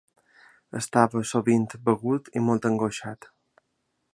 Estava sovint begut i molt angoixat.